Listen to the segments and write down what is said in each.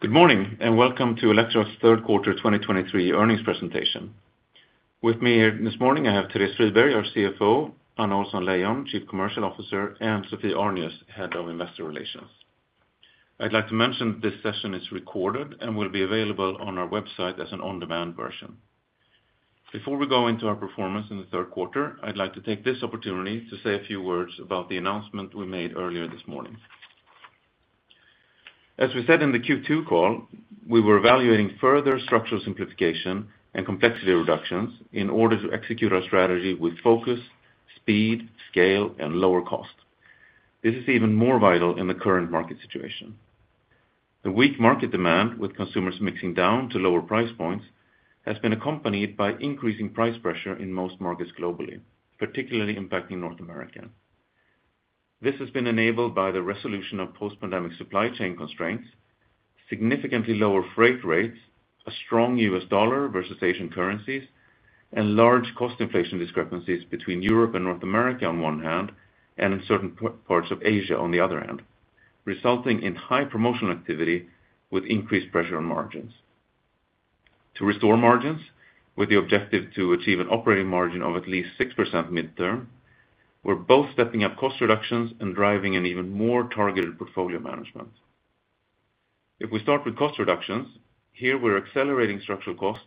Good morning, and welcome to Electrolux's third quarter 2023 earnings presentation. With me here this morning, I have Therese Friberg, our CFO, Anna Ohlsson-Leijon, Chief Commercial Officer, and Sophie Arnius, Head of Investor Relations. I'd like to mention this session is recorded and will be available on our website as an on-demand version. Before we go into our performance in the third quarter, I'd like to take this opportunity to say a few words about the announcement we made earlier this morning. As we said in the Q2 call, we were evaluating further structural simplification and complexity reductions in order to execute our strategy with focus, speed, scale, and lower cost. This is even more vital in the current market situation. The weak market demand, with consumers mixing down to lower price points, has been accompanied by increasing price pressure in most markets globally, particularly impacting North America. This has been enabled by the resolution of post-pandemic supply chain constraints, significantly lower freight rates, a strong U.S. dollar versus Asian currencies, and large cost inflation discrepancies between Europe and North America on one hand, and in certain parts of Asia on the other hand, resulting in high promotional activity with increased pressure on margins. To restore margins, with the objective to achieve an operating margin of at least 6% midterm, we're both stepping up cost reductions and driving an even more targeted portfolio management. If we start with cost reductions, here, we're accelerating structural cost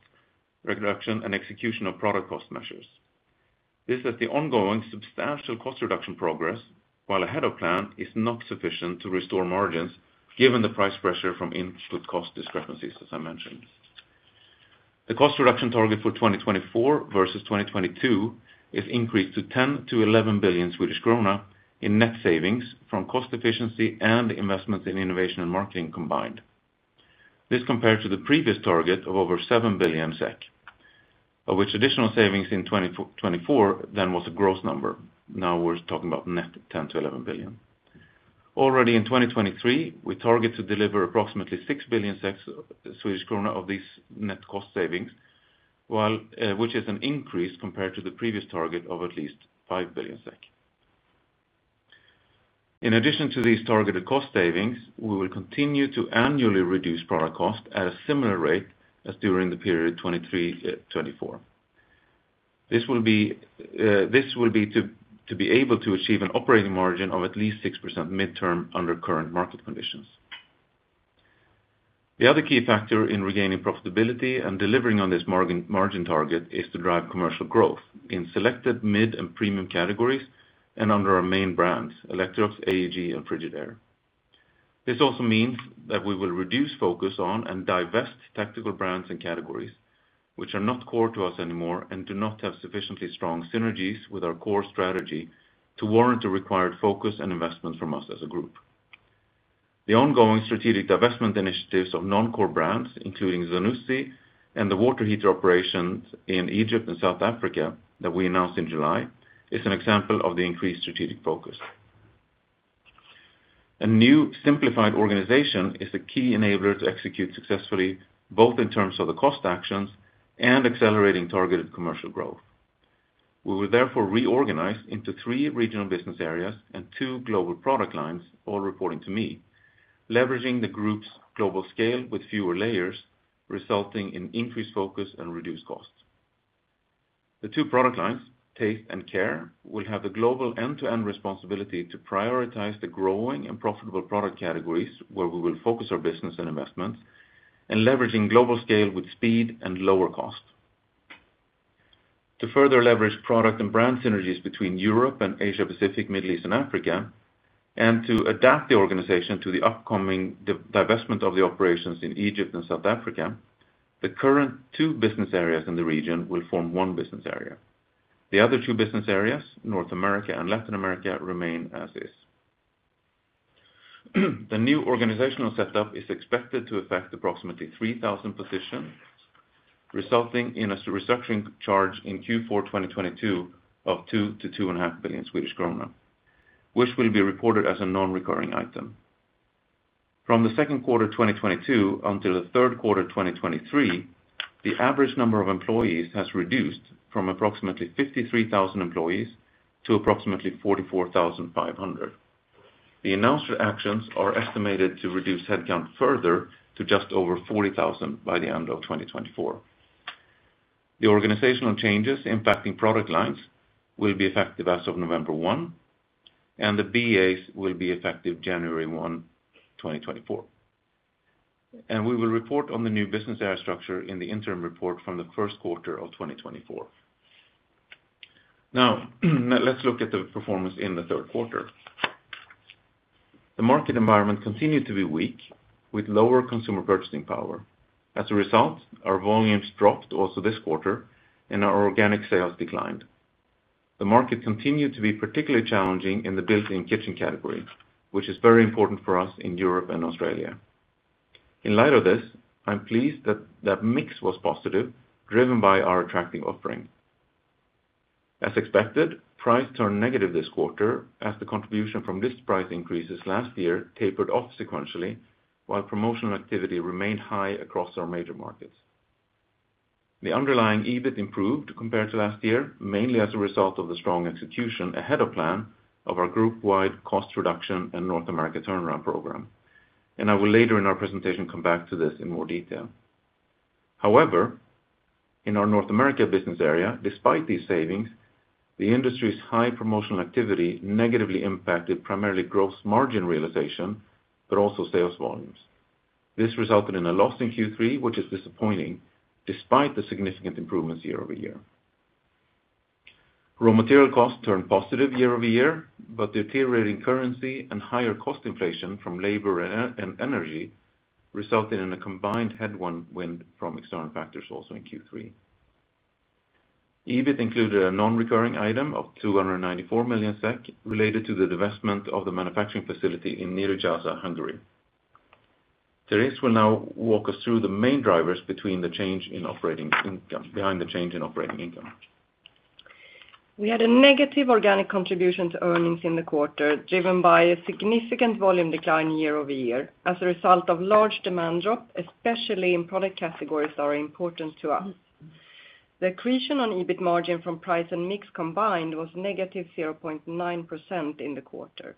reduction and execution of product cost measures. This is the ongoing substantial cost reduction progress, while ahead of plan, is not sufficient to restore margins, given the price pressure from input cost discrepancies, as I mentioned. The cost reduction target for 2024 versus 2022 is increased to 10 billion-11 billion Swedish krona in net savings from cost efficiency and investment in innovation and marketing combined. This, compared to the previous target of over 7 billion SEK, of which additional savings in 2024 then was a gross number. Now we're talking about net 10 billion-11 billion. Already in 2023, we target to deliver approximately 6 billion, Swedish krona, of these net cost savings, while, which is an increase compared to the previous target of at least 5 billion SEK. In addition to these targeted cost savings, we will continue to annually reduce product cost at a similar rate as during the period 2023-2024. This will be to be able to achieve an operating margin of at least 6% midterm under current market conditions. The other key factor in regaining profitability and delivering on this margin, margin target is to drive commercial growth in selected mid and premium categories and under our main brands, Electrolux, AEG, and Frigidaire. This also means that we will reduce focus on and divest tactical brands and categories which are not core to us anymore and do not have sufficiently strong synergies with our core strategy to warrant a required focus and investment from us as a group. The ongoing strategic divestment initiatives of non-core brands, including Zanussi and the water heater operations in Egypt and South Africa, that we announced in July, is an example of the increased strategic focus. A new simplified organization is the key enabler to execute successfully, both in terms of the cost actions and accelerating targeted commercial growth. We will therefore reorganize into three regional business areas and two global product lines, all reporting to me, leveraging the group's global scale with fewer layers, resulting in increased focus and reduced costs. The two product lines, Taste and Care, will have the global end-to-end responsibility to prioritize the growing and profitable product categories where we will focus our business and investments, and leveraging global scale with speed and lower cost. To further leverage product and brand synergies between Europe and Asia Pacific, Middle East and Africa, and to adapt the organization to the upcoming divestment of the operations in Egypt and South Africa, the current two business areas in the region will form one business area. The other two business areas, North America and Latin America, remain as is. The new organizational setup is expected to affect approximately 3,000 positions, resulting in a restructuring charge in Q4 2022 of 2-2.5 billion Swedish kronor, which will be reported as a non-recurring item. From the second quarter 2022 until the third quarter 2023, the average number of employees has reduced from approximately 53,000 employees to approximately 44,500. The announced actions are estimated to reduce headcount further to just over 40,000 by the end of 2024. The organizational changes impacting product lines will be effective as of November 1, and the BAs will be effective January 1, 2024. We will report on the new business area structure in the interim report from the first quarter of 2024. Now, let's look at the performance in the third quarter. The market environment continued to be weak, with lower consumer purchasing power. As a result, our volumes dropped also this quarter, and our organic sales declined. The market continued to be particularly challenging in the built-in kitchen category, which is very important for us in Europe and Australia. In light of this, I'm pleased that, that mix was positive, driven by our attracting offering. As expected, price turned negative this quarter as the contribution from this price increases last year tapered off sequentially, while promotional activity remained high across our major markets.... The underlying EBIT improved compared to last year, mainly as a result of the strong execution ahead of plan of our group-wide cost reduction in North America turnaround program. I will later in our presentation, come back to this in more detail. However, in our North America business area, despite these savings, the industry's high promotional activity negatively impacted primarily gross margin realization, but also sales volumes. This resulted in a loss in Q3, which is disappointing despite the significant improvements year-over-year. Raw material costs turned positive year-over-year, but the deteriorating currency and higher cost inflation from labor and energy resulted in a combined headwind from external factors also in Q3. EBIT included a non-recurring item of 294 million SEK, related to the divestment of the manufacturing facility in Nyíregyháza, Hungary. Therese will now walk us through the main drivers between the change in operating income, behind the change in operating income. We had a negative organic contribution to earnings in the quarter, driven by a significant volume decline year-over-year, as a result of large demand drop, especially in product categories that are important to us. The accretion on EBIT margin from price and mix combined was negative 0.9% in the quarter,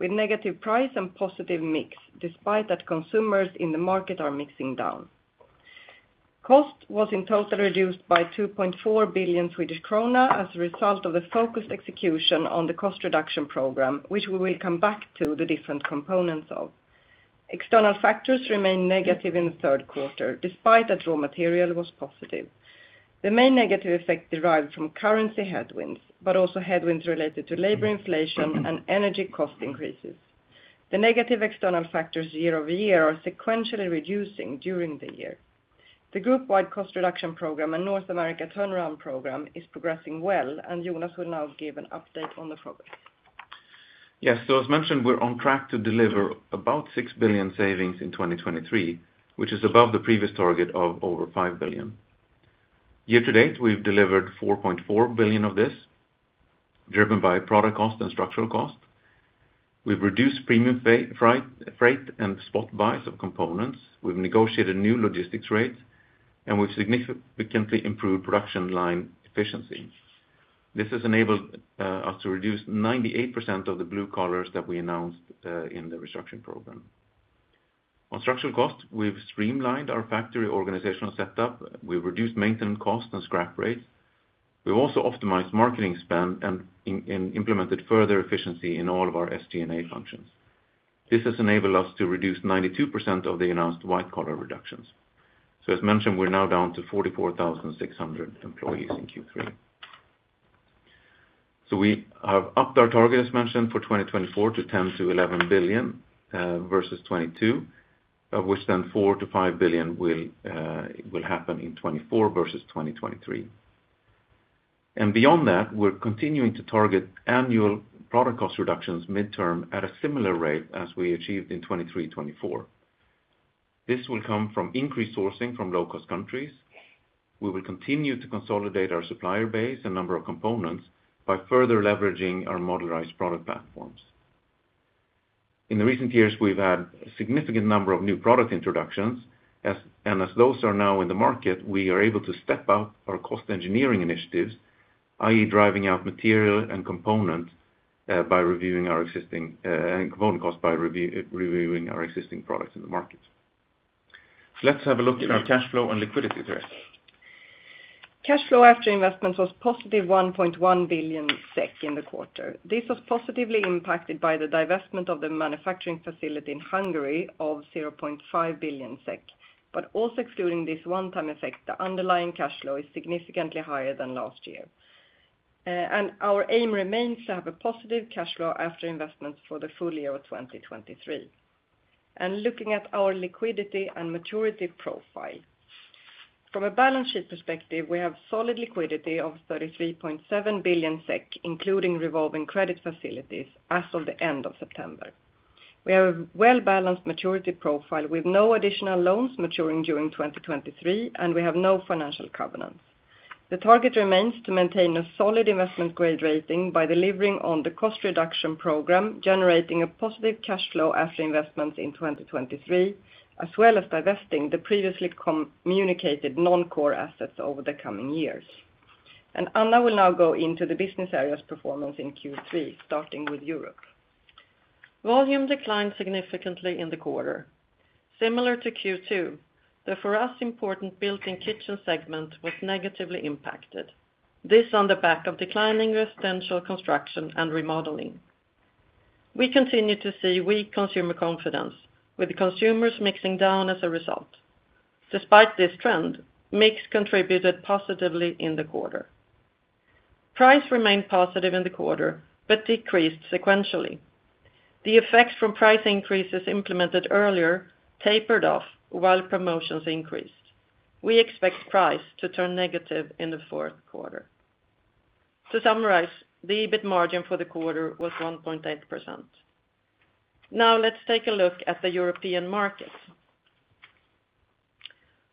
with negative price and positive mix, despite that consumers in the market are mixing down. Cost was in total reduced by 2.4 billion Swedish krona as a result of the focused execution on the cost reduction program, which we will come back to the different components of. External factors remained negative in the third quarter, despite that raw material was positive. The main negative effect derived from currency headwinds, but also headwinds related to labor inflation and energy cost increases. The negative external factors year-over-year are sequentially reducing during the year. The group-wide cost reduction program and North America turnaround program is progressing well, and Jonas will now give an update on the progress. Yes. So as mentioned, we're on track to deliver about 6 billion savings in 2023, which is above the previous target of over 5 billion. Year to date, we've delivered 4.4 billion of this, driven by product cost and structural cost. We've reduced premium freight and spot buys of components. We've negotiated new logistics rates, and we've significantly improved production line efficiency. This has enabled us to reduce 98% of the blue collars that we announced in the restructuring program. On structural cost, we've streamlined our factory organizational setup. We've reduced maintenance costs and scrap rates. We've also optimized marketing spend and implemented further efficiency in all of our SG&A functions. This has enabled us to reduce 92% of the announced white collar reductions. So as mentioned, we're now down to 44,600 employees in Q3. So we have upped our target, as mentioned, for 2024 to 10 billion-11 billion versus 2022, of which then 4 billion-5 billion will happen in 2024 versus 2023. Beyond that, we're continuing to target annual product cost reductions midterm at a similar rate as we achieved in 2023, 2024. This will come from increased sourcing from low-cost countries. We will continue to consolidate our supplier base and number of components by further leveraging our modularized product platforms. In the recent years, we've had a significant number of new product introductions, as those are now in the market, we are able to step up our cost engineering initiatives, i.e., driving out material and component by reviewing our existing products in the market. Let's have a look at our cash flow and liquidity trend. Cash flow after investment was positive 1.1 billion SEK in the quarter. This was positively impacted by the divestment of the manufacturing facility in Hungary of 0.5 billion SEK. But also excluding this one-time effect, the underlying cash flow is significantly higher than last year. And our aim remains to have a positive cash flow after investment for the full year of 2023. Looking at our liquidity and maturity profile. From a balance sheet perspective, we have solid liquidity of 33.7 billion SEK, including revolving credit facilities as of the end of September. We have a well-balanced maturity profile with no additional loans maturing during 2023, and we have no financial covenants. The target remains to maintain a solid investment grade rating by delivering on the cost reduction program, generating a positive cash flow after investments in 2023, as well as divesting the previously communicated non-core assets over the coming years. Anna will now go into the business areas' performance in Q3, starting with Europe. Volume declined significantly in the quarter. Similar to Q2, the, for us, important built-in kitchen segment was negatively impacted. This on the back of declining residential construction and remodeling. We continue to see weak consumer confidence, with consumers mixing down as a result. Despite this trend, mix contributed positively in the quarter. Price remained positive in the quarter, but decreased sequentially. The effects from price increases implemented earlier tapered off while promotions increased. We expect price to turn negative in the fourth quarter. To summarize, the EBIT margin for the quarter was 1.8%. Now, let's take a look at the European market.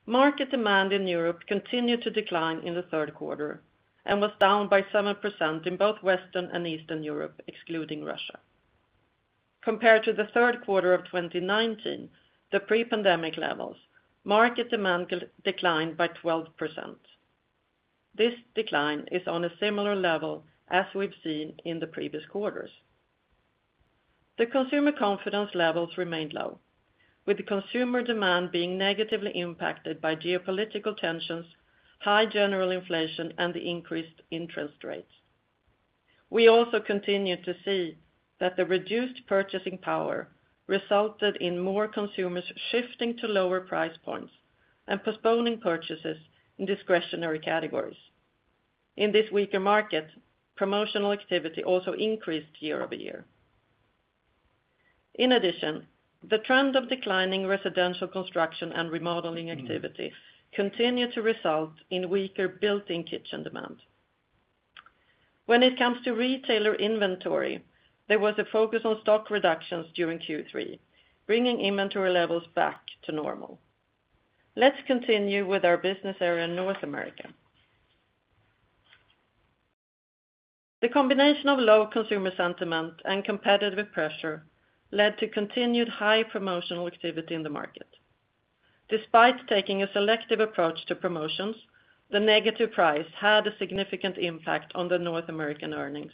Market demand in Europe continued to decline in the third quarter and was down by 7% in both Western and Eastern Europe, excluding Russia... compared to the third quarter of 2019, the pre-pandemic levels, market demand declined by 12%. This decline is on a similar level as we've seen in the previous quarters. The consumer confidence levels remained low, with the consumer demand being negatively impacted by geopolitical tensions, high general inflation, and the increased interest rates. We also continued to see that the reduced purchasing power resulted in more consumers shifting to lower price points and postponing purchases in discretionary categories. In this weaker market, promotional activity also increased year-over-year. In addition, the trend of declining residential construction and remodeling activity continued to result in weaker built-in kitchen demand. When it comes to retailer inventory, there was a focus on stock reductions during Q3, bringing inventory levels back to normal. Let's continue with our business area in North America. The combination of low consumer sentiment and competitive pressure led to continued high promotional activity in the market. Despite taking a selective approach to promotions, the negative price had a significant impact on the North American earnings.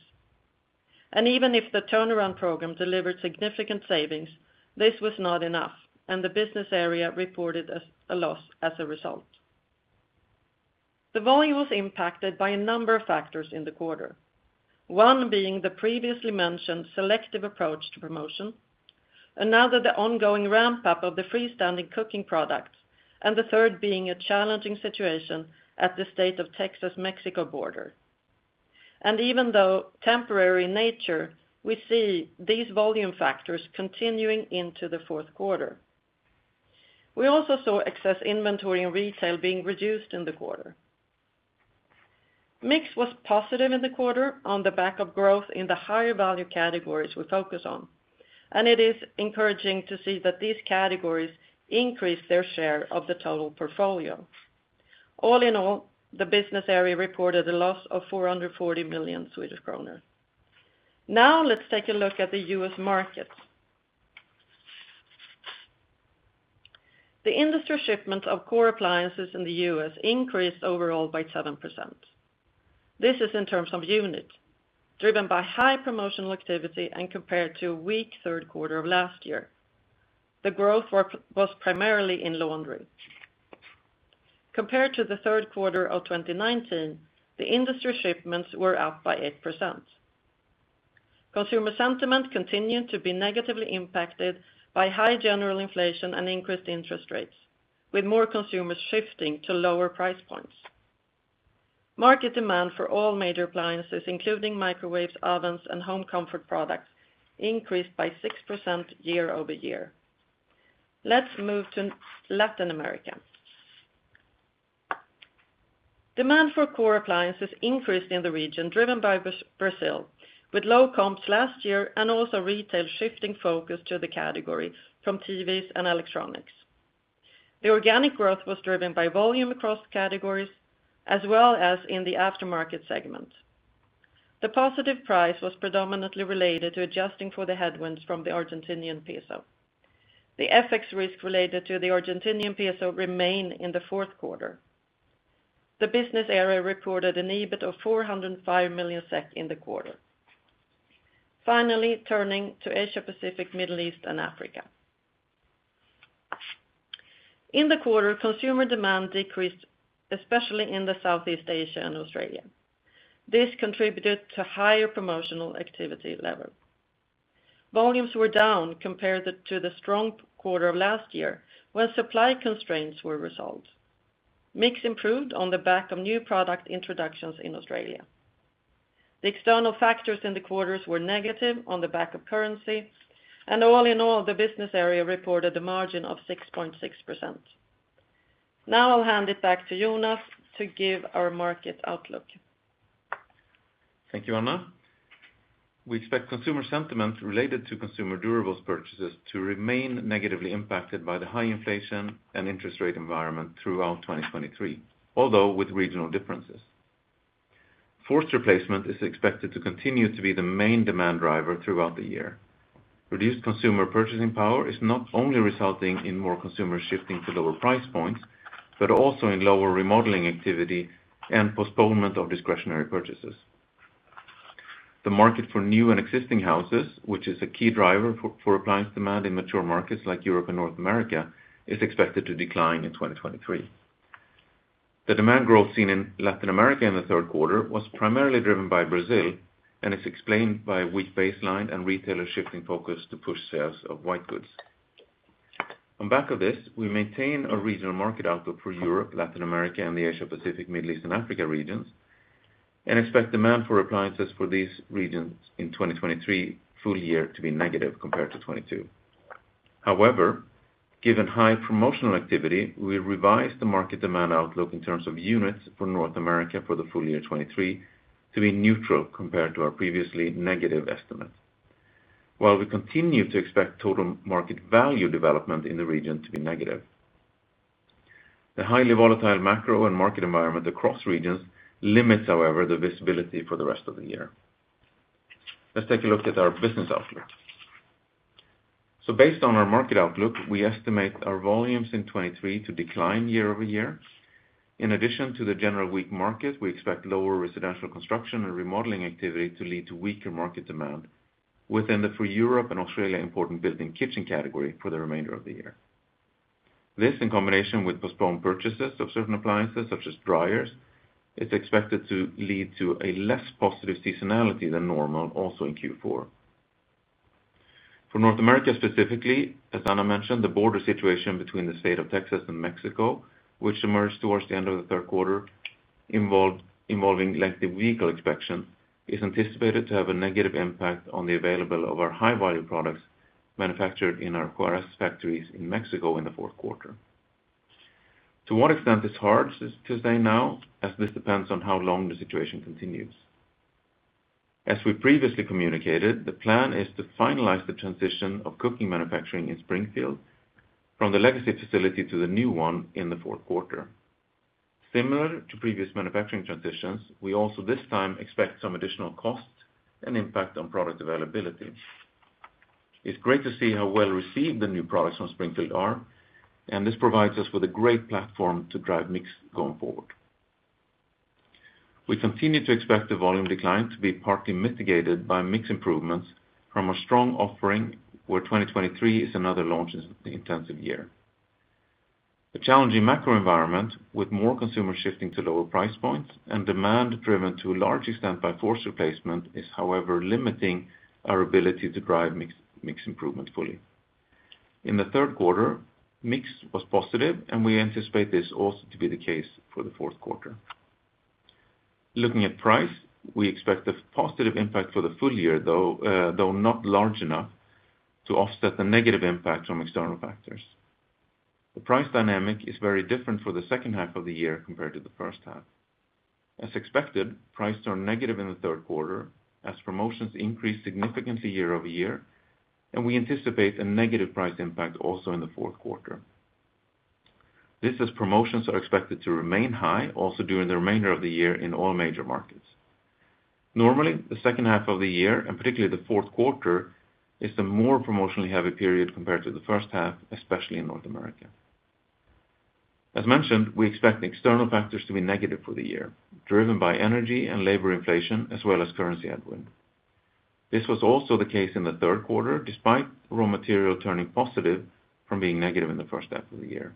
Even if the turnaround program delivered significant savings, this was not enough, and the business area reported a loss as a result. The volume was impacted by a number of factors in the quarter, one being the previously mentioned selective approach to promotion, another, the ongoing ramp-up of the freestanding cooking products, and the third being a challenging situation at the state of Texas-Mexico border. Even though temporary in nature, we see these volume factors continuing into the fourth quarter. We also saw excess inventory in retail being reduced in the quarter. Mix was positive in the quarter on the back of growth in the higher value categories we focus on, and it is encouraging to see that these categories increased their share of the total portfolio. All in all, the business area reported a loss of 440 million Swedish kronor. Now, let's take a look at the U.S. market. The industry shipments of core appliances in the U.S. increased overall by 7%. This is in terms of units, driven by high promotional activity and compared to a weak third quarter of last year. The growth was primarily in laundry. Compared to the third quarter of 2019, the industry shipments were up by 8%. Consumer sentiment continued to be negatively impacted by high general inflation and increased interest rates, with more consumers shifting to lower price points. Market demand for all major appliances, including microwaves, ovens, and home comfort products, increased by 6% year-over-year. Let's move to Latin America. Demand for core appliances increased in the region, driven by Brazil, with low comps last year and also retail shifting focus to the category from TVs and electronics. The organic growth was driven by volume across categories, as well as in the aftermarket segment. The positive price was predominantly related to adjusting for the headwinds from the Argentinian peso. The FX risk related to the Argentinian peso remain in the fourth quarter. The business area reported an EBIT of 405 million SEK in the quarter. Finally, turning to Asia Pacific, Middle East, and Africa. In the quarter, consumer demand decreased, especially in the Southeast Asia and Australia. This contributed to higher promotional activity level. Volumes were down compared to the strong quarter of last year, when supply constraints were resolved. Mix improved on the back of new product introductions in Australia. The external factors in the quarters were negative on the back of currency, and all in all, the business area reported a margin of 6.6%. Now, I'll hand it back to Jonas to give our market outlook. Thank you, Anna. We expect consumer sentiment related to consumer durables purchases to remain negatively impacted by the high inflation and interest rate environment throughout 2023, although with regional differences. Forced replacement is expected to continue to be the main demand driver throughout the year. Reduced consumer purchasing power is not only resulting in more consumers shifting to lower price points, but also in lower remodeling activity and postponement of discretionary purchases. The market for new and existing houses, which is a key driver for appliance demand in mature markets like Europe and North America, is expected to decline in 2023. The demand growth seen in Latin America in the third quarter was primarily driven by Brazil, and is explained by a weak baseline and retailer shifting focus to push sales of white goods. On back of this, we maintain a regional market outlook for Europe, Latin America, and the Asia Pacific, Middle East, and Africa regions, and expect demand for appliances for these regions in 2023 full year to be negative compared to 2022. However, given high promotional activity, we revise the market demand outlook in terms of units for North America for the full year 2023 to be neutral compared to our previously negative estimate. While we continue to expect total market value development in the region to be negative. The highly volatile macro and market environment across regions limits, however, the visibility for the rest of the year. Let's take a look at our business outlook. So based on our market outlook, we estimate our volumes in 2023 to decline year-over-year. In addition to the general weak market, we expect lower residential construction and remodeling activity to lead to weaker market demand within the, for Europe and Australia, important built-in kitchen category for the remainder of the year. This, in combination with postponed purchases of certain appliances, such as dryers, is expected to lead to a less positive seasonality than normal, also in Q4. For North America, specifically, as Anna mentioned, the border situation between the state of Texas and Mexico, which emerged towards the end of the third quarter, involving lengthy vehicle inspection, is anticipated to have a negative impact on the availability of our high-value products manufactured in our Juárez factories in Mexico in the fourth quarter. To what extent, it's hard to say now, as this depends on how long the situation continues. As we previously communicated, the plan is to finalize the transition of cooking manufacturing in Springfield from the legacy facility to the new one in the fourth quarter. Similar to previous manufacturing transitions, we also this time expect some additional costs and impact on product availability. It's great to see how well received the new products from Springfield are, and this provides us with a great platform to drive mix going forward. We continue to expect the volume decline to be partly mitigated by mix improvements from a strong offering, where 2023 is another launch-intensive year. The challenging macro environment, with more consumers shifting to lower price points and demand driven to a large extent by forced replacement, is, however, limiting our ability to drive mix, mix improvement fully. In the third quarter, mix was positive, and we anticipate this also to be the case for the fourth quarter. Looking at price, we expect a positive impact for the full year, though, though not large enough to offset the negative impact from external factors. The price dynamic is very different for the second half of the year compared to the first half. As expected, prices are negative in the third quarter as promotions increased significantly year-over-year, and we anticipate a negative price impact also in the fourth quarter. This as promotions are expected to remain high, also during the remainder of the year in all major markets. Normally, the second half of the year, and particularly the fourth quarter, is the more promotionally heavy period compared to the first half, especially in North America. As mentioned, we expect external factors to be negative for the year, driven by energy and labor inflation, as well as currency headwind. This was also the case in the third quarter, despite raw material turning positive from being negative in the first half of the year.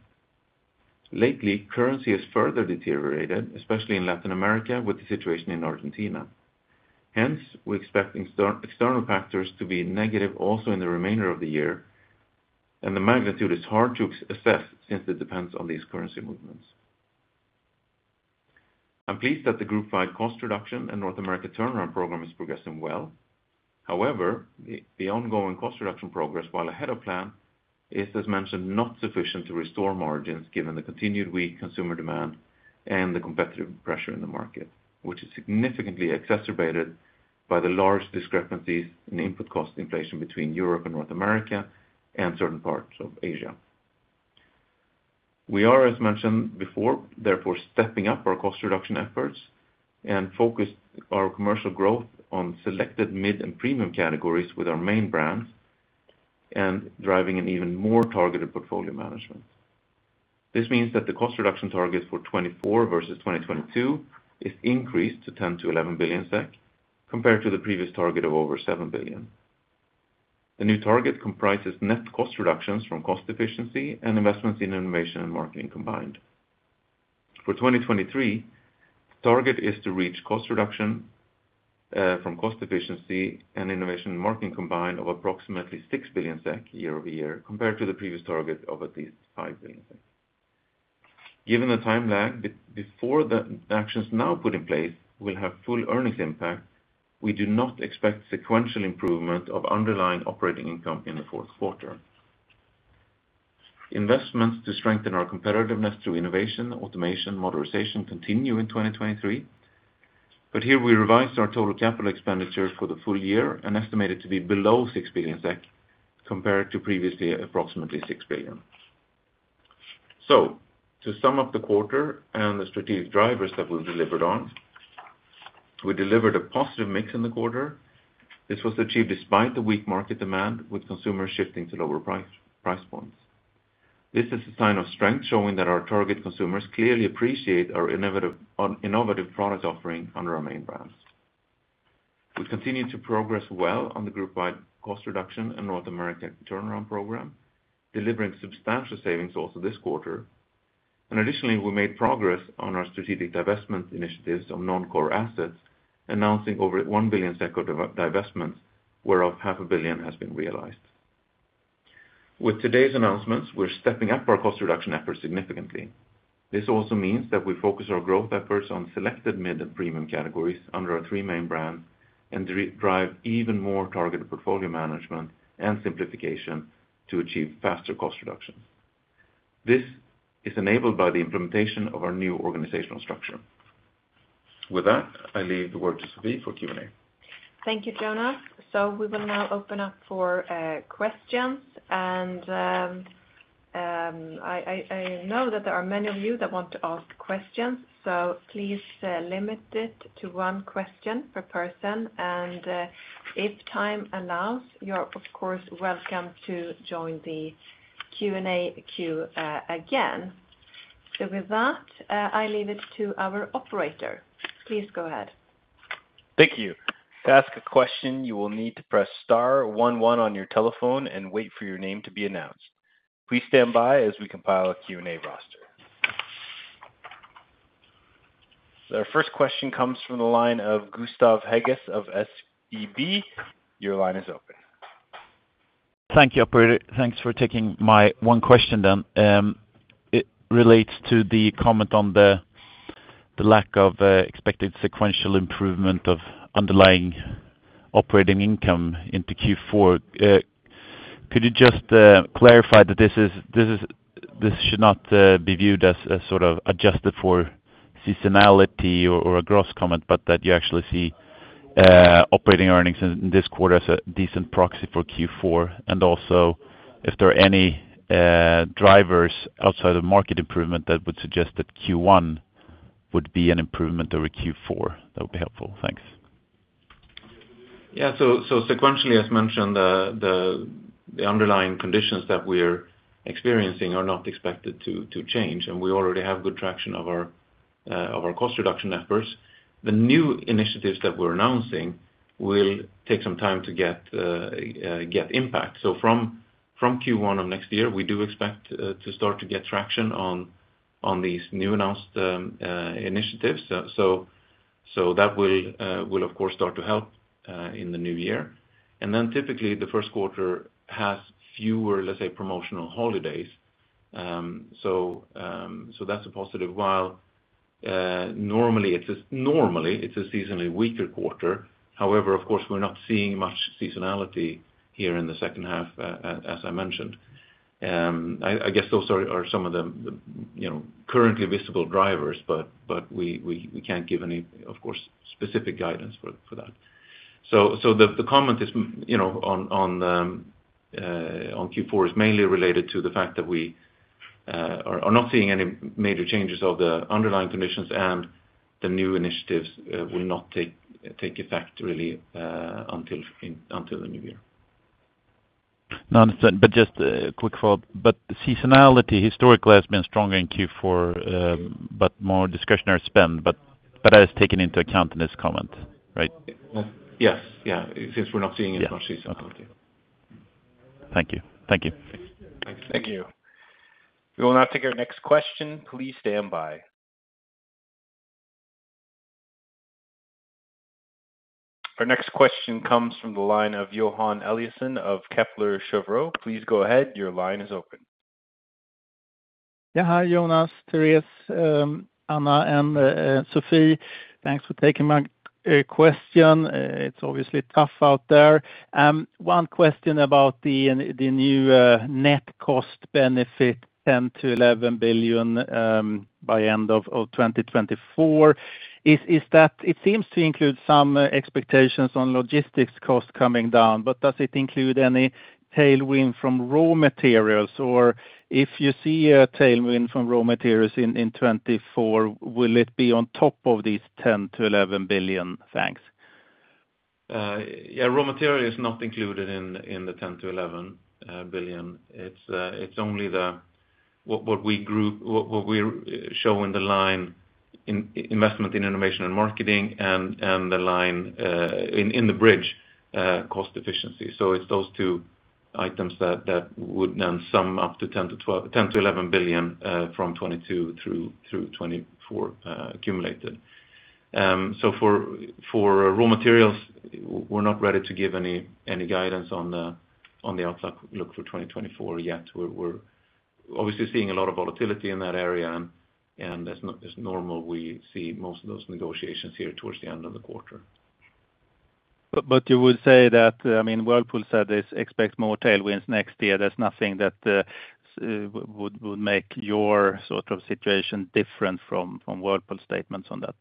Lately, currency has further deteriorated, especially in Latin America, with the situation in Argentina. Hence, we expect external factors to be negative also in the remainder of the year, and the magnitude is hard to assess since it depends on these currency movements. I'm pleased that the group-wide cost reduction and North America turnaround program is progressing well. However, the ongoing cost reduction progress, while ahead of plan, is, as mentioned, not sufficient to restore margins given the continued weak consumer demand and the competitive pressure in the market, which is significantly exacerbated by the large discrepancies in input cost inflation between Europe and North America and certain parts of Asia. We are, as mentioned before, therefore, stepping up our cost reduction efforts and focus our commercial growth on selected mid and premium categories with our main brands and driving an even more targeted portfolio management. This means that the cost reduction targets for 2024 versus 2022 is increased to 10-11 billion SEK, compared to the previous target of over 7 billion. The new target comprises net cost reductions from cost efficiency and investments in innovation and marketing combined. For 2023, the target is to reach cost reduction from cost efficiency and innovation and marketing combined of approximately 6 billion SEK year-over-year, compared to the previous target of at least 5 billion SEK. Given the time lag before the actions now put in place will have full earnings impact, we do not expect sequential improvement of underlying operating income in the fourth quarter. Investments to strengthen our competitiveness through innovation, automation, modernization continue in 2023, but here we revised our total capital expenditure for the full year and estimate it to be below 6 billion SEK, compared to previously approximately 6 billion. So to sum up the quarter and the strategic drivers that we've delivered on, we delivered a positive mix in the quarter. This was achieved despite the weak market demand, with consumers shifting to lower price points. This is a sign of strength, showing that our target consumers clearly appreciate our innovative product offering under our main brands. We continue to progress well on the group-wide cost reduction and North America turnaround program, delivering substantial savings also this quarter. And additionally, we made progress on our strategic divestment initiatives of non-core assets, announcing over 1 billion of divestments, whereof 500 million has been realized. With today's announcements, we're stepping up our cost reduction efforts significantly. This also means that we focus our growth efforts on selected mid and premium categories under our three main brands, and redrive even more targeted portfolio management and simplification to achieve faster cost reductions. This is enabled by the implementation of our new organizational structure. With that, I leave the word to Sophie for Q&A. Thank you, Jonas. We will now open up for questions. I know that there are many of you that want to ask questions, so please limit it to one question per person, and if time allows, you're of course welcome to join the Q&A queue again. With that, I leave it to our operator. Please go ahead. Thank you. To ask a question, you will need to press star one one on your telephone and wait for your name to be announced. Please stand by as we compile a Q&A roster. Our first question comes from the line of Gustav Hagéus of SEB. Your line is open. Thank you, operator. Thanks for taking my one question then. It relates to the comment on the lack of expected sequential improvement of underlying operating income into Q4. Could you just clarify that this should not be viewed as a sort of adjusted for seasonality or a gross comment, but that you actually see operating earnings in this quarter as a decent proxy for Q4? And also, if there are any drivers outside of market improvement that would suggest that Q1 would be an improvement over Q4, that would be helpful. Thanks. Yeah, so sequentially, as mentioned, the underlying conditions that we're experiencing are not expected to change, and we already have good traction of our cost reduction efforts. The new initiatives that we're announcing will take some time to get impact. So from Q1 of next year, we do expect to start to get traction on these new announced initiatives. So that will of course start to help in the new year. And then typically, the first quarter has fewer, let's say, promotional holidays. So that's a positive, while normally it's a seasonally weaker quarter. However, of course, we're not seeing much seasonality here in the second half, as I mentioned. I guess those are some of the, you know, currently visible drivers, but we can't give any, of course, specific guidance for that. So the comment is, you know, on Q4 is mainly related to the fact that we are not seeing any major changes of the underlying conditions, and the new initiatives will not take effect really until the new year. No, understand. But just a quick follow-up. But seasonality historically has been stronger in Q4, but more discretionary spend, but that is taken into account in this comment, right? Yes. Yeah, since we're not seeing any much seasonality. Thank you. Thank you. Thanks. Thank you. We will now take our next question. Please stand by. Our next question comes from the line of Johan Eliason of Kepler Cheuvreux. Please go ahead. Your line is open. Yeah, hi, Jonas, Therese, Anna and Sophie. Thanks for taking my question. It's obviously tough out there. One question about the new net cost benefit, 10 billion-11 billion, by end of 2024. Is that... It seems to include some expectations on logistics costs coming down, but does it include any tailwind from raw materials? Or if you see a tailwind from raw materials in 2024, will it be on top of these 10 billion-11 billion? Thanks. Yeah, raw material is not included in the 10-11 billion. It's only the what we group, what we show in the line in investment in innovation and marketing and the line in the bridge, cost efficiency. So it's those two items that would then sum up to 10-12, 10-11 billion from 2022 through 2024 accumulated. So for raw materials, we're not ready to give any guidance on the outlook for 2024 yet. We're obviously seeing a lot of volatility in that area, and as normal, we see most of those negotiations here towards the end of the quarter. But you would say that, I mean, Whirlpool said they expect more tailwinds next year. There's nothing that would make your sort of situation different from Whirlpool's statements on that?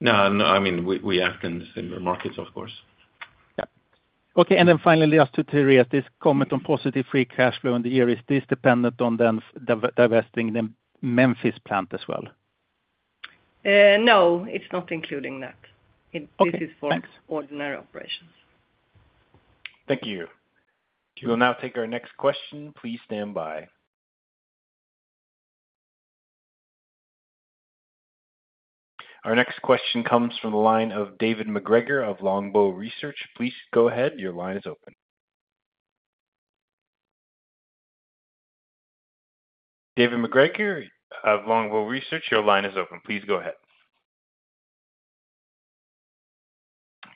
No, no, I mean, we, we act in similar markets, of course. Yeah. Okay, and then finally, just to Therese, this comment on positive free cash flow in the year, is this dependent on them divesting the Memphis plant as well? No, it's not including that. Okay, thanks. This is for ordinary operations. Thank you. We will now take our next question. Please stand by. Our next question comes from the line of David MacGregor of Longbow Research. Please go ahead. Your line is open. David MacGregor of Longbow Research, your line is open. Please go ahead.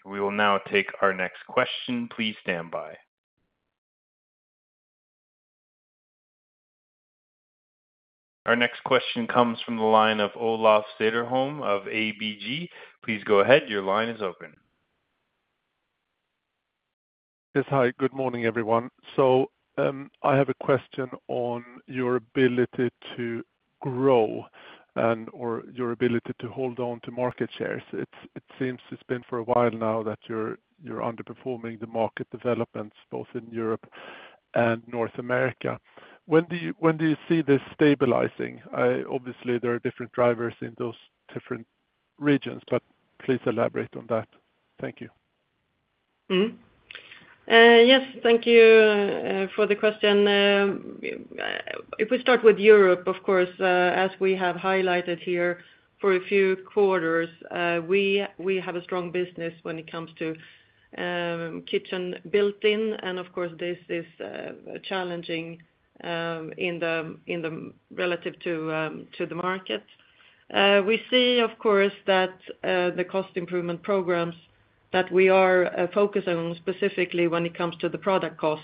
We will now take our next question. Please stand by. Our next question comes from the line of Olof Cederholm of ABG. Please go ahead. Your line is open.... Yes, hi, good morning, everyone. So, I have a question on your ability to grow and or your ability to hold on to market shares. It, it seems it's been for a while now that you're, you're underperforming the market developments, both in Europe and North America. When do you, when do you see this stabilizing? I, obviously, there are different drivers in those different regions, but please elaborate on that. Thank you. Mm-hmm. Yes, thank you for the question. If we start with Europe, of course, as we have highlighted here for a few quarters, we have a strong business when it comes to built-in kitchen, and of course, this is challenging in relation to the market. We see, of course, that the cost improvement programs that we are focused on, specifically when it comes to the product cost,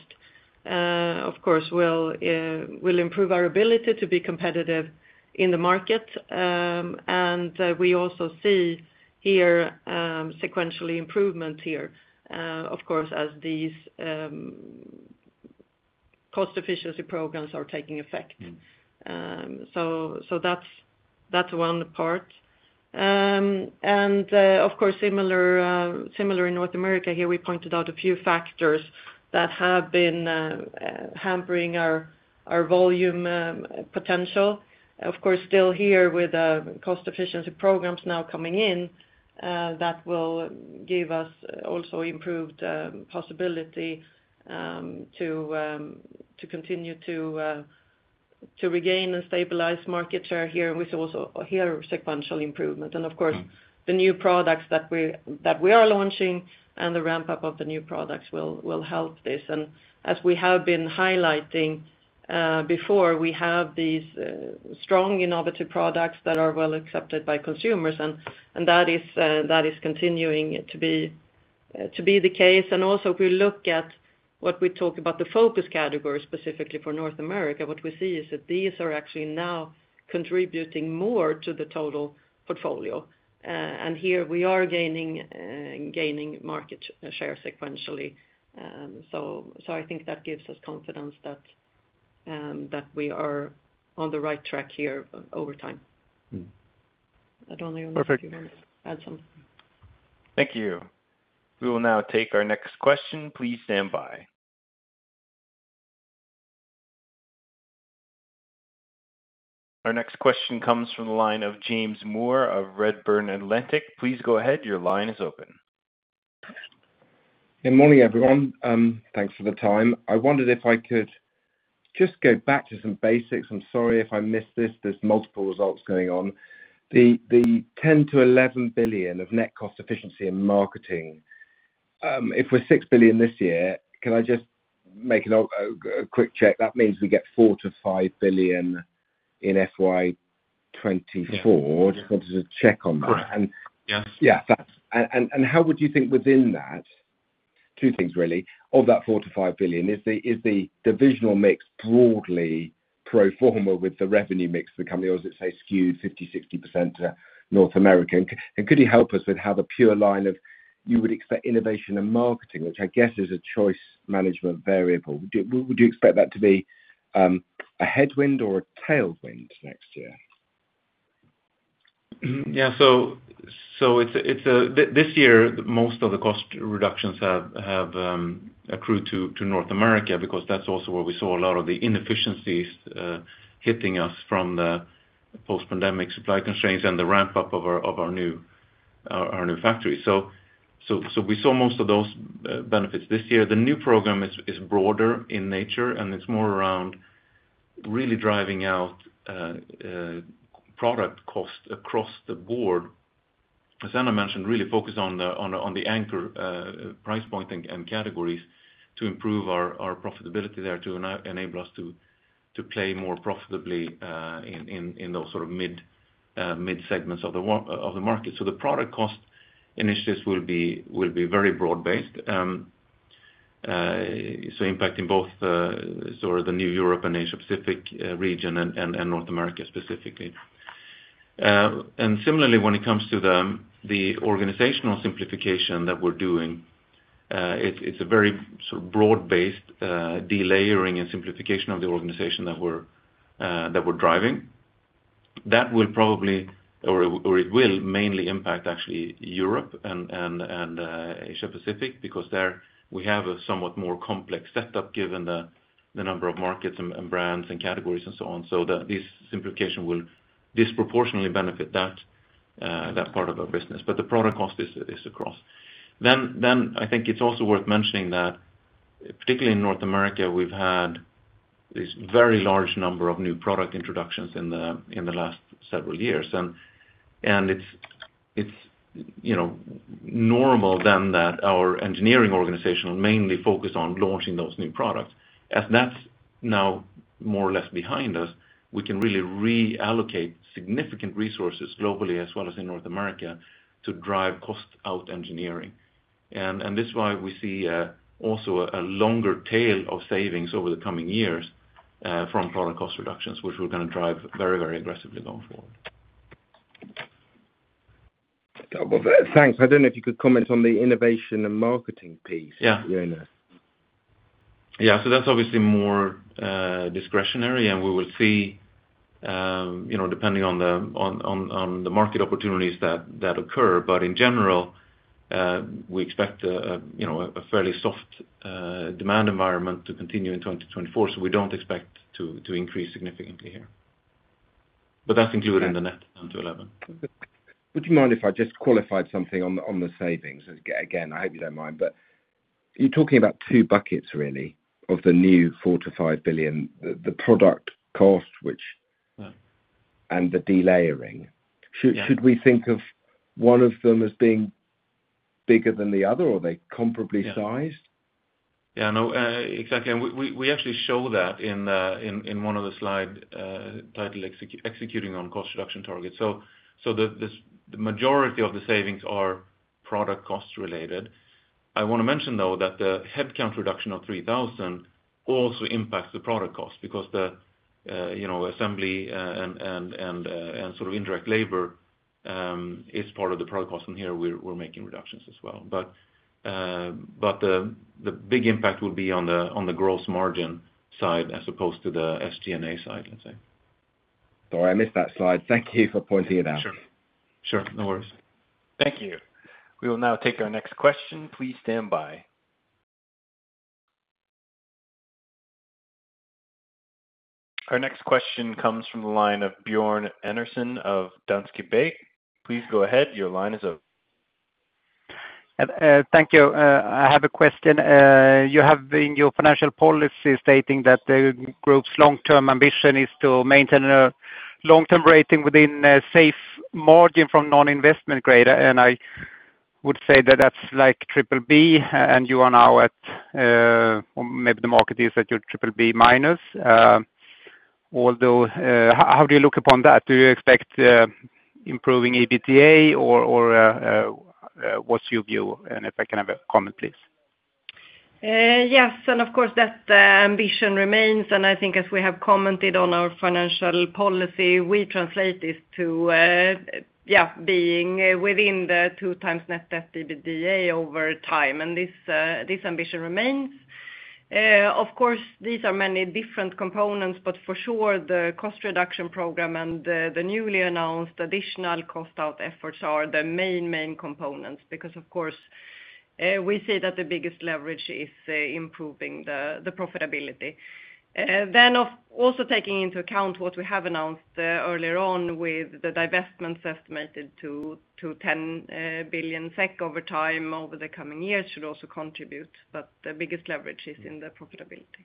of course, will improve our ability to be competitive in the market. And we also see here sequential improvement here, of course, as these cost efficiency programs are taking effect. So that's one part. Of course, similar in North America, here we pointed out a few factors that have been hampering our volume potential. Of course, still here with cost efficiency programs now coming in that will give us also improved possibility to continue to regain and stabilize market share here, and we see also here sequential improvement. And of course, the new products that we are launching and the ramp-up of the new products will help this. And as we have been highlighting before, we have these strong innovative products that are well accepted by consumers, and that is continuing to be the case. Also, if we look at what we talk about the focus categories, specifically for North America, what we see is that these are actually now contributing more to the total portfolio. And here we are gaining market share sequentially. So I think that gives us confidence that we are on the right track here over time. Mm-hmm. I don't know if you want to add something. Thank you. We will now take our next question. Please stand by. Our next question comes from the line of James Moore of Redburn Atlantic. Please go ahead. Your line is open. Good morning, everyone. Thanks for the time. I wondered if I could just go back to some basics. I'm sorry if I missed this, there's multiple results going on. The 10 billion-11 billion of net cost efficiency in marketing, if we're 6 billion this year, can I just make a quick check? That means we get 4 billion-5 billion in FY 2024. Yeah. Just wanted to check on that. Right. Yes. Yeah, that's – how would you think within that? Two things really: of that 4 billion-5 billion, is the divisional mix broadly pro forma with the revenue mix of the company, or is it, say, skewed 50%-60% to North America? And could you help us with how the pure line of you would expect innovation and marketing, which I guess is a choice management variable, would you expect that to be a headwind or a tailwind next year? Mm-hmm. Yeah, this year, most of the cost reductions have accrued to North America, because that's also where we saw a lot of the inefficiencies hitting us from the post-pandemic supply constraints and the ramp-up of our new factory. So we saw most of those benefits this year. The new program is broader in nature, and it's more around really driving out product cost across the board. As Anna mentioned, really focused on the anchor price point and categories to improve our profitability there, to enable us to play more profitably in those sort of mid segments of the market. So the product cost initiatives will be very broad-based. So impacting both the sort of the new Europe and Asia Pacific region and North America, specifically. And similarly, when it comes to the organizational simplification that we're doing, it's a very sort of broad-based delayering and simplification of the organization that we're that we're driving. That will probably, or it, or it will mainly impact, actually, Europe and Asia Pacific, because there we have a somewhat more complex setup, given the number of markets and brands and categories and so on. So this simplification will disproportionately benefit that that part of our business, but the product cost is across. Then I think it's also worth mentioning that, particularly in North America, we've had this very large number of new product introductions in the last several years. And it's, you know, normal then that our engineering organization will mainly focus on launching those new products. As that's now more or less behind us, we can really reallocate significant resources globally, as well as in North America, to drive cost out engineering. And this is why we see also a longer tail of savings over the coming years from product cost reductions, which we're going to drive very, very aggressively going forward. ... well, thanks. I don't know if you could comment on the innovation and marketing piece? Yeah. Jonas. Yeah, so that's obviously more discretionary, and we will see, you know, depending on the market opportunities that occur. But in general, we expect a you know, a fairly soft demand environment to continue in 2024, so we don't expect to increase significantly here. But that's including the net down to 11. Would you mind if I just qualified something on the savings? Again, I hope you don't mind, but you're talking about two buckets really, of the new 4 billion-5 billion, the product cost which- Yeah and the delayering. Yeah. Should we think of one of them as being bigger than the other, or are they comparably sized? Yeah, no, exactly. And we actually show that in one of the slide titled executing on cost reduction targets. So the majority of the savings are product cost related. I want to mention, though, that the headcount reduction of 3,000 also impacts the product cost, because you know, assembly and sort of indirect labor is part of the product cost, and here we're making reductions as well. But the big impact will be on the gross margin side as opposed to the SG&A side, let's say. Sorry, I missed that slide. Thank you for pointing it out. Sure. Sure, no worries. Thank you. We will now take our next question. Please stand by. Our next question comes from the line of Björn Enarson of Danske Bank. Please go ahead, your line is open. Thank you. I have a question. You have, in your financial policy stating that the group's long-term ambition is to maintain a long-term rating within a safe margin from non-investment grade, and I would say that that's like BBB, and you are now at, or maybe the market is at your BBB-. Although, how, how do you look upon that? Do you expect, improving EBITDA or, or, what's your view? And if I can have a comment, please. Yes, and of course, that ambition remains, and I think as we have commented on our financial policy, we translate this to, yeah, being within the 2x net debt EBITDA over time, and this ambition remains. Of course, these are many different components, but for sure, the cost reduction program and the newly announced additional cost out efforts are the main components. Because, of course, we see that the biggest leverage is improving the profitability. Then also taking into account what we have announced earlier on with the divestments estimated to 10 billion SEK over time, over the coming years, should also contribute, but the biggest leverage is in the profitability.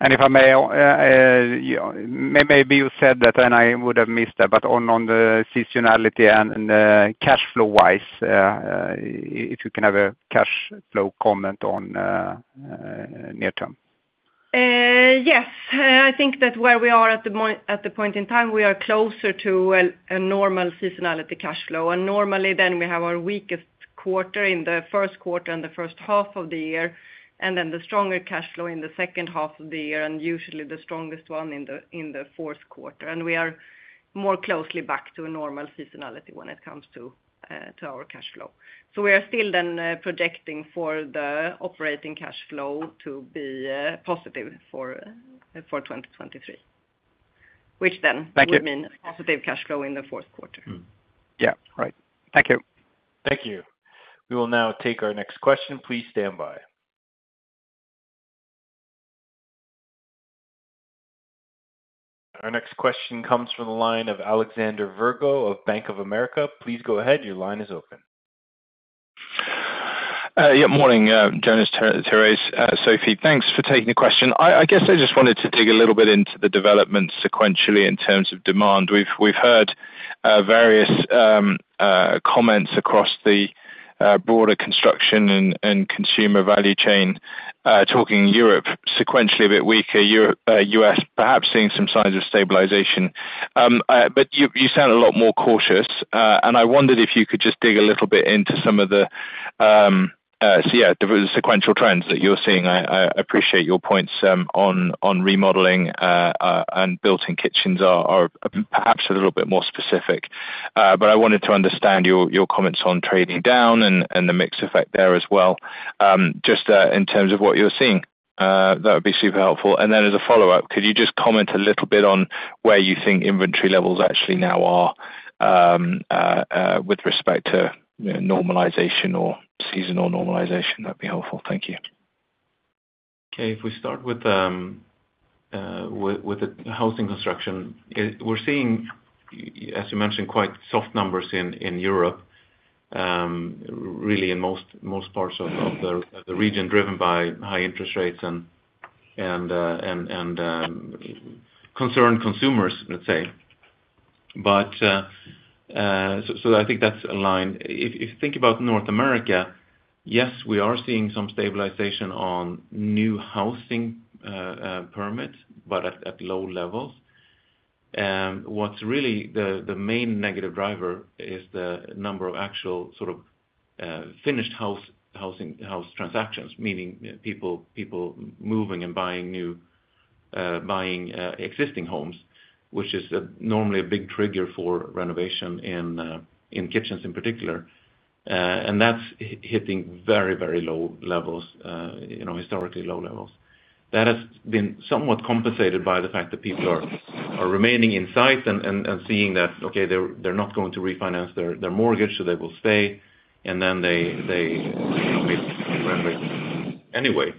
And if I may, yeah, maybe you said that, and I would have missed that, but on the seasonality and cash flow wise, if you can have a cash flow comment on near term. Yes. I think that where we are at the point in time, we are closer to a normal seasonality cash flow. Normally then we have our weakest quarter in the first quarter and the first half of the year, and then the stronger cash flow in the second half of the year, and usually the strongest one in the fourth quarter. We are more closely back to a normal seasonality when it comes to our cash flow. So we are still then projecting for the operating cash flow to be positive for 2023. Which then- Thank you... would mean positive cash flow in the fourth quarter. Mm-hmm. Yeah, right. Thank you. Thank you. We will now take our next question. Please stand by. Our next question comes from the line of Alexander Virgo of Bank of America. Please go ahead, your line is open. Yeah, morning, Jonas, Therese, Sophie, thanks for taking the question. I guess I just wanted to dig a little bit into the development sequentially in terms of demand. We've heard various comments across the broader construction and consumer value chain, talking Europe sequentially a bit weaker, Europe, U.S. perhaps seeing some signs of stabilization. But you sound a lot more cautious, and I wondered if you could just dig a little bit into some of the, so yeah, the sequential trends that you're seeing. I appreciate your points on remodeling and built-in kitchens are perhaps a little bit more specific. But I wanted to understand your comments on trading down and the mix effect there as well. Just in terms of what you're seeing, that would be super helpful. And then as a follow-up, could you just comment a little bit on where you think inventory levels actually now are, with respect to normalization or seasonal normalization? That'd be helpful. Thank you. Okay. If we start with the housing construction, we're seeing, as you mentioned, quite soft numbers in Europe, really in most parts of the region, driven by high interest rates and concerned consumers, let's say. But I think that's aligned. If you think about North America, yes, we are seeing some stabilization on new housing permits, but at low levels. What's really the main negative driver is the number of actual sort of finished housing transactions, meaning people moving and buying existing homes, which is normally a big trigger for renovation in kitchens in particular. And that's hitting very low levels, you know, historically low levels. That has been somewhat compensated by the fact that people are remaining inside and seeing that, okay, they're not going to refinance their mortgage, so they will stay. And then they anyway.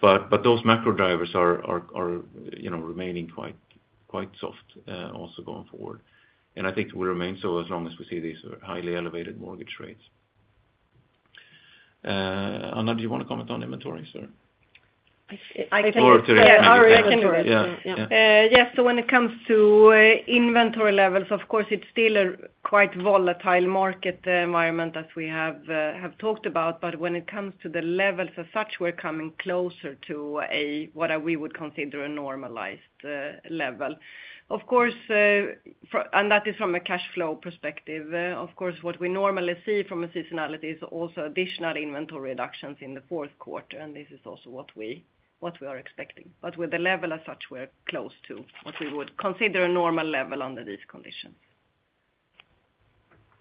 But those macro drivers are, you know, remaining quite soft, also going forward. And I think it will remain so as long as we see these highly elevated mortgage rates. Anna, do you want to comment on inventories or? I think- Or- Our inventories. Yeah. Yeah. Yes, so when it comes to inventory levels, of course, it's still a quite volatile market environment as we have talked about. But when it comes to the levels as such, we're coming closer to what we would consider a normalized level. Of course, and that is from a cash flow perspective. Of course, what we normally see from a seasonality is also additional inventory reductions in the fourth quarter, and this is also what we are expecting. But with the level as such, we're close to what we would consider a normal level under these conditions.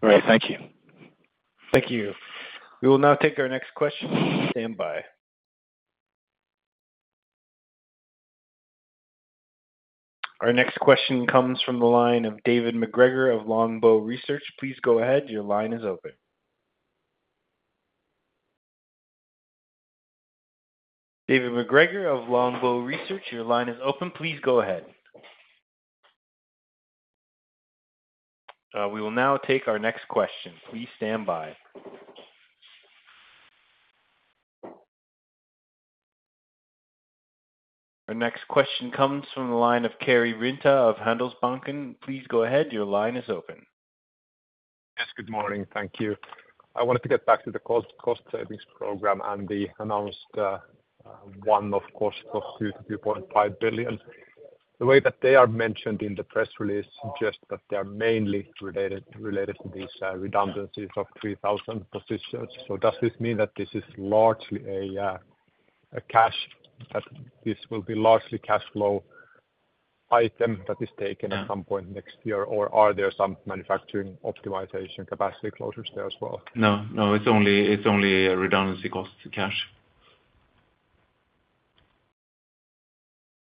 Great, thank you. Thank you. We will now take our next question. Stand by. Our next question comes from the line of David MacGregor of Longbow Research. Please go ahead. Your line is open. David MacGregor of Longbow Research, your line is open. Please go ahead. We will now take our next question. Please stand by. Our next question comes from the line of Karri Rinta of Handelsbanken. Please go ahead. Your line is open. Yes, good morning. Thank you. I wanted to get back to the cost, cost savings program and the announced one-off costs of 2 billion-2.5 billion. The way that they are mentioned in the press release suggests that they are mainly related to these redundancies of 3,000 positions. So does this mean that this is largely a cash, that this will be largely cash flow item that is taken at some point next year? Or are there some manufacturing optimization capacity closures there as well? No, no, it's only, it's only a redundancy cost to cash.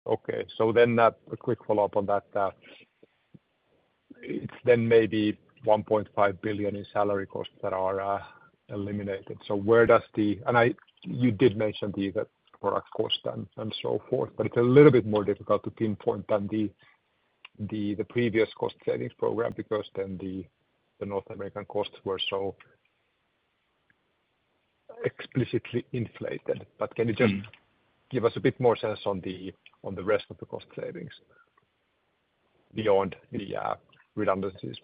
Okay. So then a quick follow-up on that. It's then maybe 1.5 billion in salary costs that are eliminated. So where does the... And I—you did mention the product cost and so forth, but it's a little bit more difficult to pinpoint than the previous cost savings program, because then the North American costs were so explicitly inflated. But can you just give us a bit more sense on the rest of the cost savings beyond the redundancies?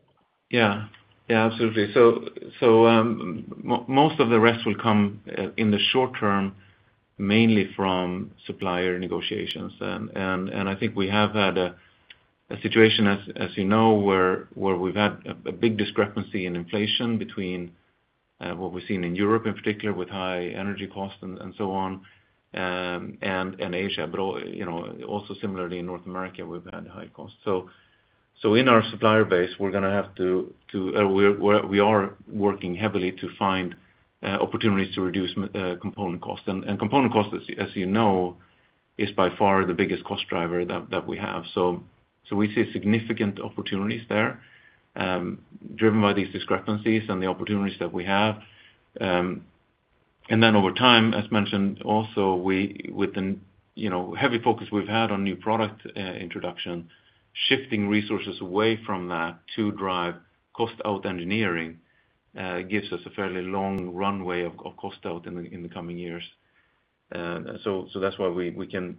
Yeah. Yeah, absolutely. So, most of the rest will come in the short term, mainly from supplier negotiations. And I think we have had a situation, as you know, where we've had a big discrepancy in inflation between what we've seen in Europe, in particular, with high energy costs and so on, and Asia. But you know, also similarly in North America, we've had high costs. So in our supplier base, we're gonna have to-- we are working heavily to find opportunities to reduce component costs. And component costs, as you know, is by far the biggest cost driver that we have. So we see significant opportunities there, driven by these discrepancies and the opportunities that we have. And then over time, as mentioned, also, we with the, you know, heavy focus we've had on new product introduction, shifting resources away from that to drive cost out engineering, gives us a fairly long runway of cost out in the coming years. So that's why we can,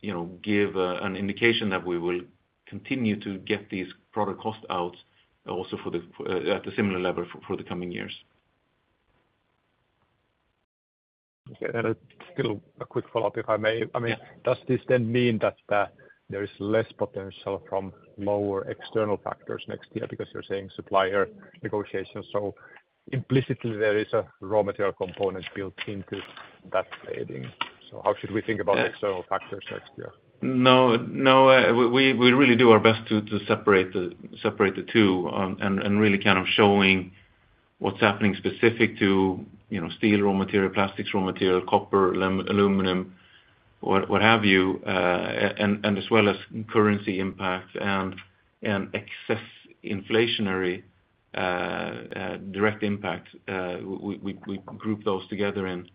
you know, give an indication that we will continue to get these product costs out also for the at a similar level for the coming years. Okay, and still a quick follow-up, if I may. Yeah. I mean, does this then mean that there is less potential from lower external factors next year? Because you're saying supplier negotiations, so implicitly, there is a raw material component built into that saving. So how should we think about- Yeah... external factors next year? No, no, we really do our best to separate the two, and really kind of showing what's happening specific to, you know, steel, raw material, plastics, raw material, copper, aluminum, what have you, and as well as currency impact and excess inflationary direct impact. We group those together in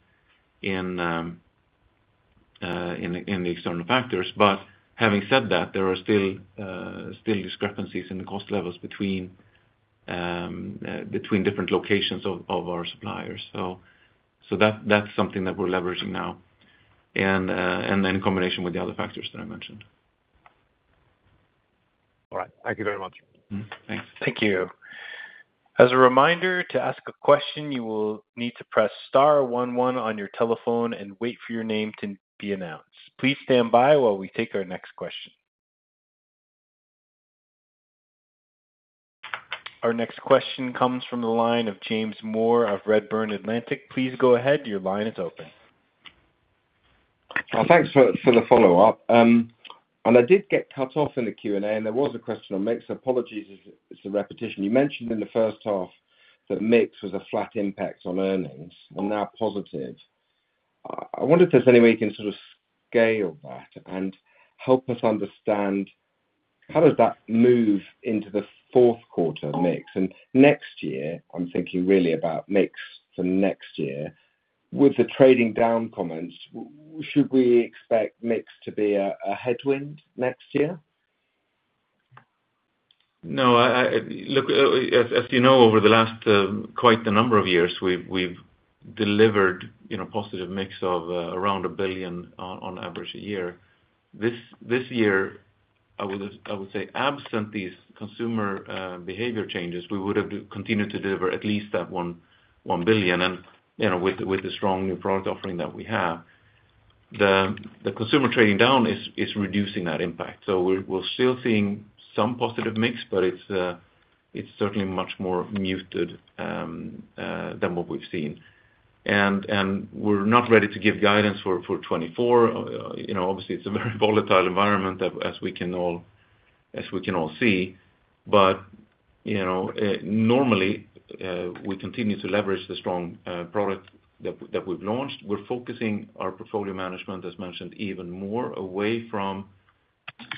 the external factors. But having said that, there are still discrepancies in the cost levels between different locations of our suppliers. So that's something that we're leveraging now, and in combination with the other factors that I mentioned. All right. Thank you very much. Mm-hmm. Thanks. Thank you. As a reminder, to ask a question, you will need to press star one one on your telephone and wait for your name to be announced. Please stand by while we take our next question... Our next question comes from the line of James Moore of Redburn Atlantic. Please go ahead. Your line is open. Well, thanks for the follow-up. I did get cut off in the Q&A, and there was a question on mix. Apologies if it's a repetition. You mentioned in the first half that mix was a flat impact on earnings and now positive. I wonder if there's any way you can sort of scale that and help us understand how does that move into the fourth quarter mix? And next year, I'm thinking really about mix for next year, with the trading down comments, should we expect mix to be a headwind next year? No, I, look, as you know, over the last quite the number of years, we've delivered, you know, positive mix of around 1 billion on average a year. This year, I would say, absent these consumer behavior changes, we would have continued to deliver at least 1 billion. And, you know, with the strong new product offering that we have, the consumer trading down is reducing that impact. So we're still seeing some positive mix, but it's certainly much more muted than what we've seen. And we're not ready to give guidance for 2024. You know, obviously, it's a very volatile environment, as we can all, as we can all see, but, you know, normally, we continue to leverage the strong product that we've launched. We're focusing our portfolio management, as mentioned, even more away from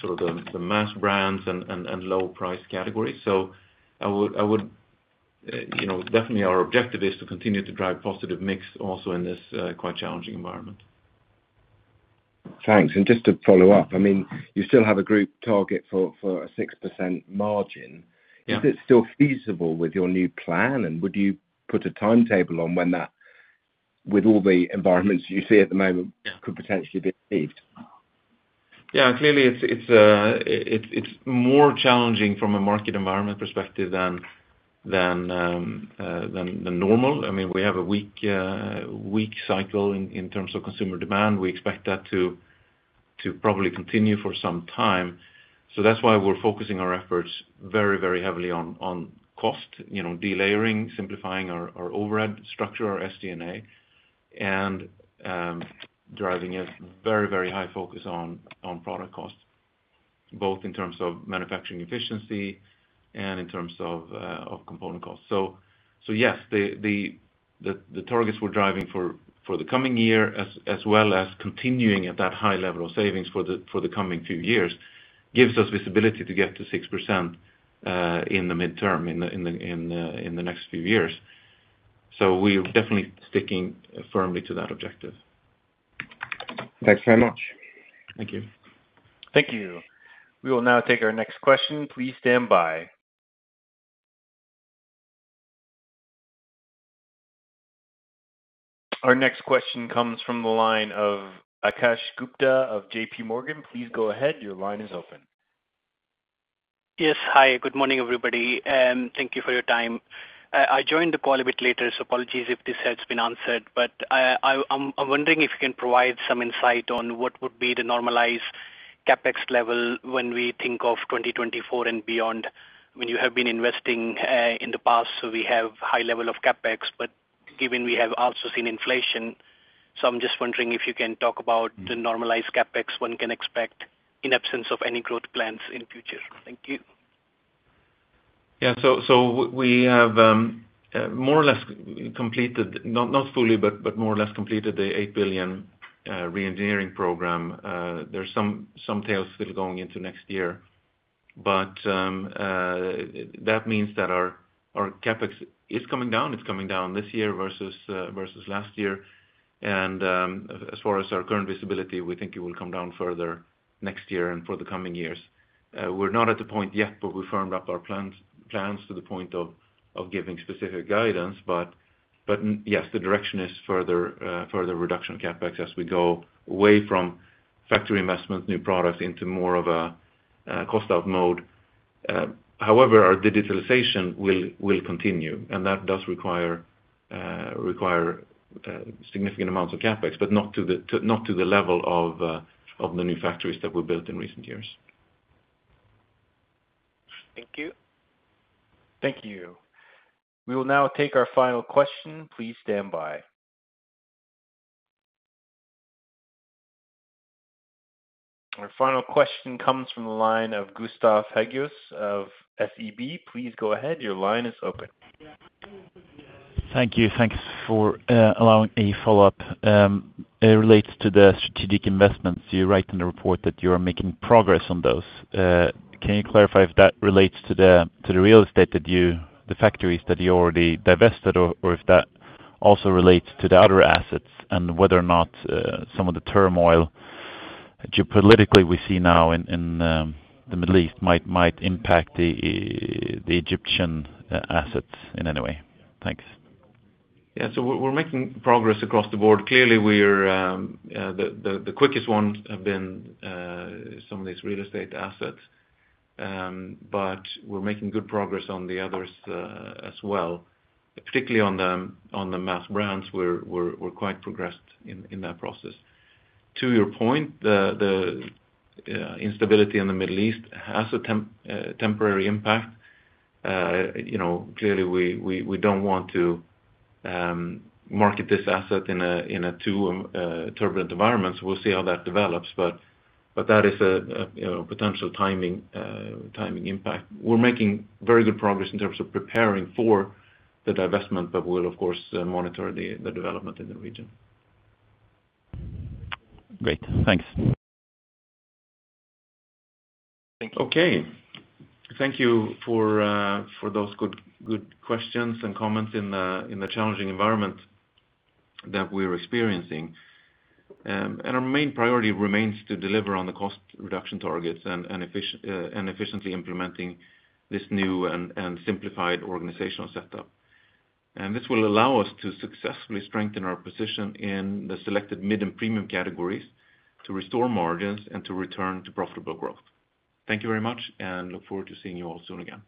sort of the mass brands and low price categories. So I would, you know, definitely our objective is to continue to drive positive mix also in this quite challenging environment. Thanks. Just to follow up, I mean, you still have a group target for a 6% margin. Yeah. Is it still feasible with your new plan? And would you put a timetable on when that, with all the environments you see at the moment- Yeah... could potentially be achieved? Yeah, clearly it's more challenging from a market environment perspective than normal. I mean, we have a weak cycle in terms of consumer demand. We expect that to probably continue for some time. So that's why we're focusing our efforts very heavily on cost, you know, delayering, simplifying our overhead structure, our SG&A, and driving a very high focus on product cost, both in terms of manufacturing efficiency and in terms of component cost. Yes, the targets we're driving for the coming year, as well as continuing at that high level of savings for the coming few years, gives us visibility to get to 6% in the midterm, in the next few years. So we're definitely sticking firmly to that objective. Thanks very much. Thank you. Thank you. We will now take our next question. Please stand by. Our next question comes from the line of Akash Gupta of JPMorgan. Please go ahead. Your line is open. Yes. Hi, good morning, everybody, and thank you for your time. I joined the call a bit later, so apologies if this has been answered, but I'm wondering if you can provide some insight on what would be the normalized CapEx level when we think of 2024 and beyond. I mean, you have been investing in the past, so we have high level of CapEx, but given we have also seen inflation. So I'm just wondering if you can talk about the normalized CapEx one can expect in absence of any growth plans in future. Thank you. Yeah. So we have more or less completed, not fully, but more or less completed the 8 billion reengineering program. There's some tails still going into next year, but that means that our CapEx is coming down. It's coming down this year versus last year. And as far as our current visibility, we think it will come down further next year and for the coming years. We're not at the point yet, but we firmed up our plans to the point of giving specific guidance. But yes, the direction is further reduction in CapEx as we go away from factory investments, new products, into more of a cost out mode. However, our digitalization will continue, and that does require significant amounts of CapEx, but not to the level of the new factories that we built in recent years. Thank you. Thank you. We will now take our final question. Please stand by. Our final question comes from the line of Gustav Hagéus of SEB. Please go ahead. Your line is open. Thank you. Thanks for allowing a follow-up. It relates to the strategic investments. You write in the report that you are making progress on those. Can you clarify if that relates to the real estate that you, the factories that you already divested, or if that also relates to the other assets, and whether or not some of the turmoil geopolitically we see now in the Middle East might impact the Egyptian assets in any way? Thanks. Yeah. So we're making progress across the board. Clearly, the quickest ones have been some of these real estate assets. But we're making good progress on the others as well, particularly on the mass brands, we're quite progressed in that process. To your point, the instability in the Middle East has a temporary impact. You know, clearly, we don't want to market this asset in a too turbulent environment, so we'll see how that develops. But that is, you know, a potential timing impact. We're making very good progress in terms of preparing for the divestment, but we'll of course monitor the development in the region. Great. Thanks. Okay. Thank you for those good questions and comments in the challenging environment that we're experiencing. Our main priority remains to deliver on the cost reduction targets and efficiently implementing this new and simplified organizational setup. This will allow us to successfully strengthen our position in the selected mid and premium categories, to restore margins and to return to profitable growth. Thank you very much, and look forward to seeing you all soon again.